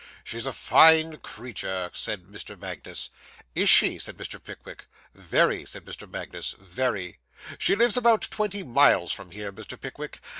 'She's a fine creature,' said Mr. Magnus. 'Is she?' said Mr. Pickwick. 'Very,' said Mr. Magnus. 'Very. She lives about twenty miles from here, Mr. Pickwick.